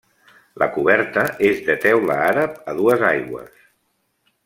La coberta és de teula àrab a dues aigües.